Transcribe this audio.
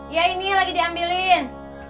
ya ini lagi diambilin